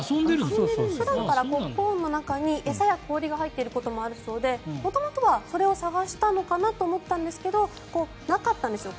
普段からコーンの中に餌や氷が入っていることがあるそうで元々はそれを探したのかなと思ったんですけどなかったんですよ